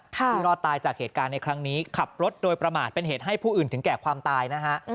รอดตายจากเหตุการณ์ในครั้งนี้ขับรถโดยประมาทเป็นเหตุให้ผู้อื่นถึงแก่ความตายนะฮะ